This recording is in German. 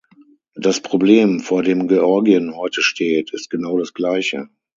Das Problem, vor dem Georgien heute steht, ist genau das gleiche.